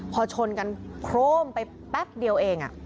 พอชนกันโครมไปแป๊บเดียวเอง